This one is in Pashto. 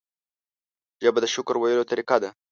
ژبه د شکر ویلو طریقه ده